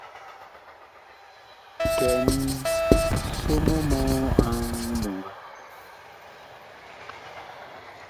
Kɛn so mɔ mɔɔ a nlonga.